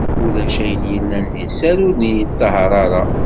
Ulac ayen yellan di sser ur d-neṭṭahaṛ ara.